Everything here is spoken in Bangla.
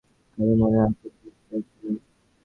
কারো মনে আঘাত দিতে চাইছি না।